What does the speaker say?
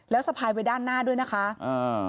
แล้วสะพายไปด้านหน้าด้วยนะคะอ่า